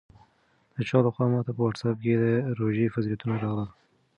د چا لخوا ماته په واټساپ کې د روژې فضیلتونه راغلل.